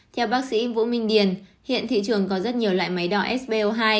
theo bác sĩ vũ minh điền hiện thị trường có rất nhiều loại máy đo spo hai